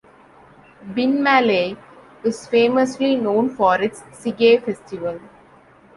Binmaley, is famously known for its "Sigay Festival".